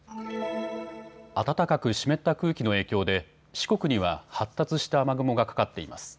暖かく湿った空気の影響で四国には発達した雨雲がかかっています。